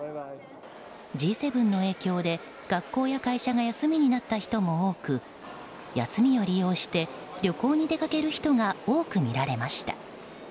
Ｇ７の影響で、学校や会社が休みになった人も多く休みを利用して旅行に出かける人が多く見られました。